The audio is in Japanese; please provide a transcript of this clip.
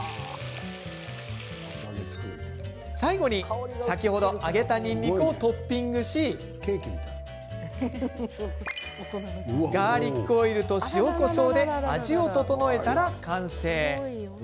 最後に先ほど揚げたにんにくをトッピングしガーリックオイルと塩、こしょうで味を調えたら完成。